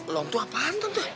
lontu apaan tante